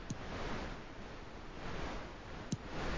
تشویش کم کوه او خوب ډېر کوه .